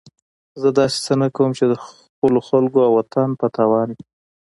زه داسې څه نه کوم چې د خپلو خلکو او وطن په تاوان وي.